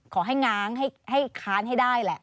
ขอให้ง้างให้ค้านให้ได้แหละ